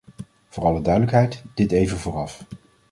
Voor alle duidelijkheid dit even vooraf.